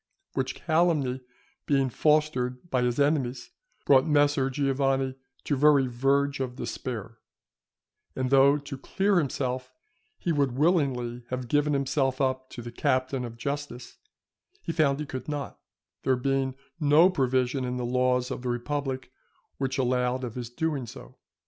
Which calumny being fostered by his enemies, brought Messer Giovanni to very verge of despair; and though to clear himself he would willingly have given himself up to the Captain of Justice he found he could not, there being no provision in the laws of the republic which allowed of his doing so.